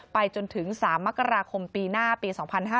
ไปจนถึง๓มกราคมปีหน้าปี๒๕๕๙